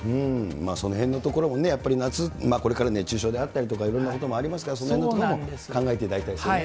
そのへんのところをやっぱり夏、これから熱中症であったりとか、いろんなこともありますから、そのへんのところも考えていただきたいですね。